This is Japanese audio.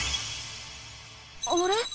あれ？